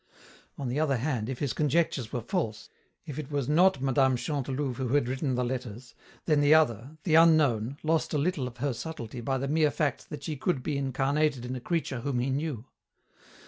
On the other hand, if his conjectures were false, if it was not Mme. Chantelouve who had written the letters, then the other, the unknown, lost a little of her subtlety by the mere fact that she could be incarnated in a creature whom he knew.